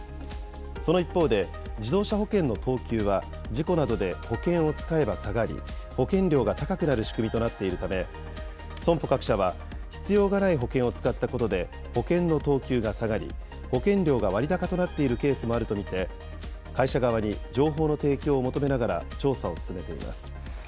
その一方で、自動車保険の等級は、事故などで保険を使えば下がり、保険料が高くなる仕組みとなっているため、損保各社は、必要がない保険を使ったことで、保険の等級が下がり、保険料が割高となっているケースもあると見て、会社側に情報の提供を求めながら、調査を進めています。